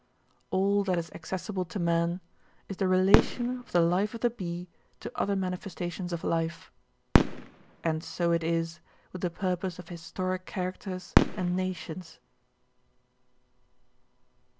All that is accessible to man is the relation of the life of the bee to other manifestations of life. And so it is with the purpose of historic characters and nations.